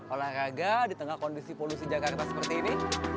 olahraga di tengah kondisi polusi jakarta seperti ini